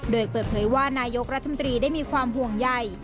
โดยเปิดเผยว่านายกรัฐมนตรีได้มีความห่วงใหญ่